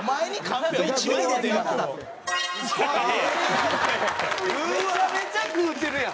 めちゃめちゃ食うてるやん。